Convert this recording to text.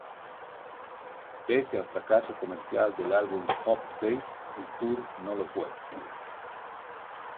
Pese al fracaso comercial del álbum Hot Space, el tour no lo fue.